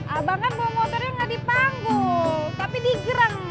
abang kan bawa motornya gak dipanggul tapi digereng